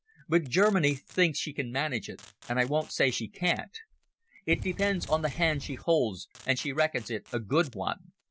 But Germany thinks she can manage it, and I won't say she can't. It depends on the hand she holds, and she reckons it a good one.